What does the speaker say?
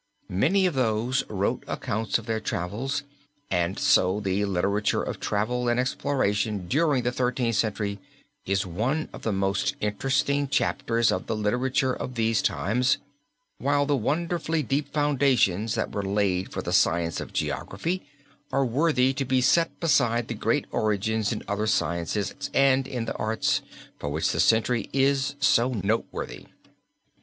Many of those wrote accounts of their travels, and so the literature of travel and exploration during the Thirteenth Century is one of the most interesting chapters of the literature of these times, while the wonderfully deep foundations that were laid for the science of geography, are worthy to be set beside the great origins in other sciences and in the arts, for which the century is so noteworthy.